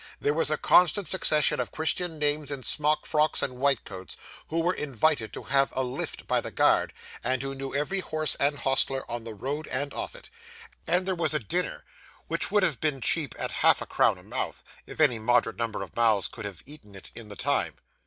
There was a constant succession of Christian names in smock frocks and white coats, who were invited to have a 'lift' by the guard, and who knew every horse and hostler on the road and off it; and there was a dinner which would have been cheap at half a crown a mouth, if any moderate number of mouths could have eaten it in the time.